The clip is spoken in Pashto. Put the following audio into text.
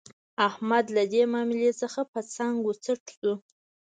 احمد له دې ماملې څخه په څنګ و څټ شو.